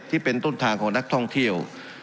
ที่เป็นต้นทางของนักท่องเที่ยว